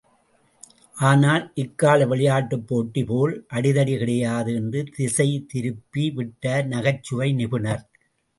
ஆனால் இக்கால விளையாட்டுப் போட்டி போல் அடிதடி கிடையாது என்று திசை திருப்பி விட்டார், நகைச்சுவை நிபுணர்.